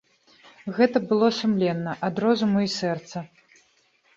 Гэта было сумленна, ад розуму і сэрца.